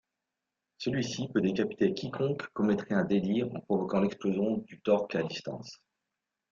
Celui-ci peut décapiter quiconque commettrait un délit en provoquant l'explosion du torque à distance.